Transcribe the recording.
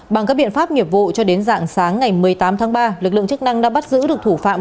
bằng các biện pháp nghiệp vụ cho đến dạng sáng ngày một mươi tám tháng ba lực lượng chức năng đã bắt giữ được thủ phạm